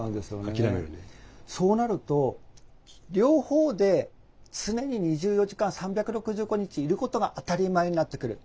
そうなると両方で常に２４時間３６５日いることが当たり前になってくる。